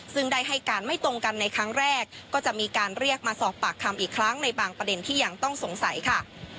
ซึ่งได้ให้การไม่ตรงกันในครั้งแรกก็จะมีการเรียกมาสอบปากคำอีกครั้งในบางประเด็นที่ยังต้องสงสัยค่ะ